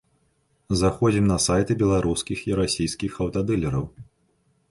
Заходзім на сайты беларускіх і расійскіх аўтадылераў.